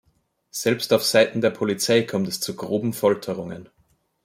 Selbst auf Seiten der Polizei kommt es zu groben Folterungen.